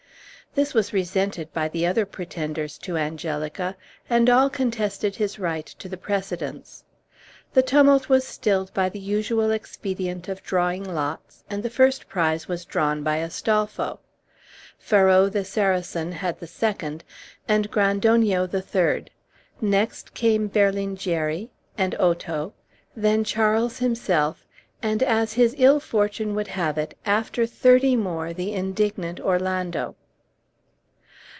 This was resented by the other pretenders to Angelica, and all contested his right to the precedence. The tumult was stilled by the usual expedient of drawing lots, and the first prize was drawn by Astolpho. Ferrau, the Saracen, had the second, and Grandonio the third. Next came Berlinghieri, and Otho; then Charles himself, and, as his ill fortune would have it, after thirty more, the indignant Orlando.